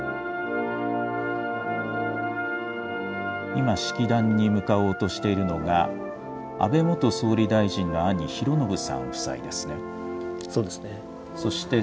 今、式壇に向かおうとしているのが、安倍元総理大臣の兄、そうですね。